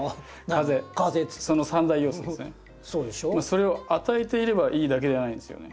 それを与えていればいいだけじゃないんですよね。